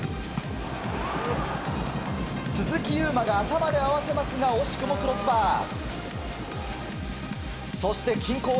鈴木優磨が頭で合わせますが惜しくもクロスバー。